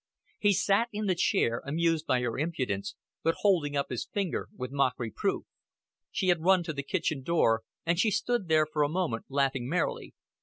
He sat in the chair, amused by her impudence, but holding up his finger with mock reproof. She had run to the kitchen door, and she stood there for a moment laughing merrily.